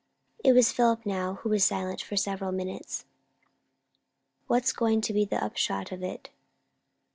It was Philip now who was silent, for several minutes. "What's going to be the upshot of it?"